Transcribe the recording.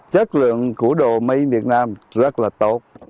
chất lượng của đồ mây việt nam rất là tốt